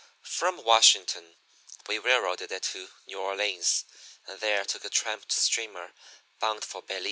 "From Washington we railroaded it to New Orleans, and there took a tramp steamer bound for Belize.